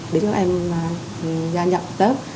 để cho em gia nhập tới